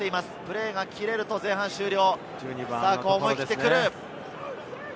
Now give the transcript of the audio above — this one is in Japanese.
プレーが切れると前半終了。